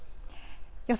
予想